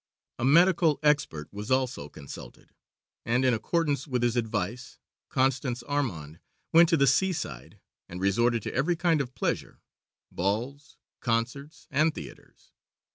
A medical expert was also consulted, and in accordance with his advice Constance Armande went to the seaside and resorted to every kind of pleasure balls, concerts, and theatres.